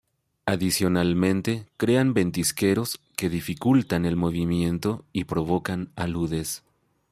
Adicionalmente crean ventisqueros que dificultan el movimiento y provocan aludes.